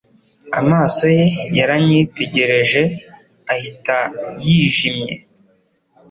Amaso ye yaranyitegereje ahita yijimye